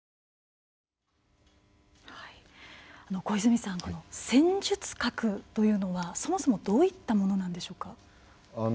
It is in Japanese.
小泉さん「戦術核」というのはそもそもどういったものでしょうか。